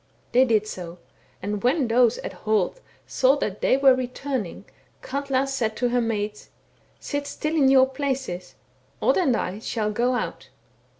* They did so ; and when those at Holt saw that they were returning, Katla said to her maids, * Sit still in your places, Odd and I shall go out.'